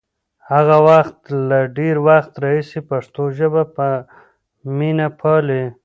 هغه له ډېر وخت راهیسې پښتو ژبه په مینه پالي.